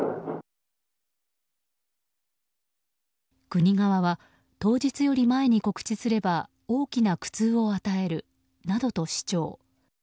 国側は当日より前に告知すれば大きな苦痛を与えるなどと主張。